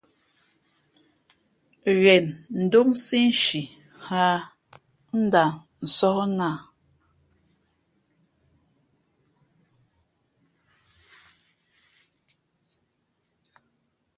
Ghen ndómsí nshi hᾱ ā, n ndah sóh nā a cʉ̄ʼcôʼ.